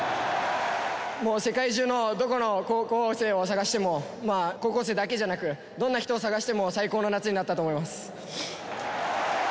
もう世界中のどこの高校生を探しても、高校生だけじゃなく、どんな人を探しても、最高の夏になったと思います。